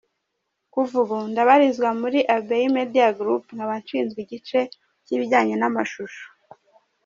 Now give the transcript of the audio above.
Kuva ubu ndabarizwa muri Abbey Media Groupe, nkaba nshinzwe igice cy’ibijyanye n’amashusho.